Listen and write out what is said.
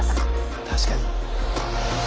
確かに。